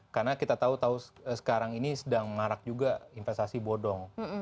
karena kita tahu sekarang ini sedang mengarak juga investasi bodong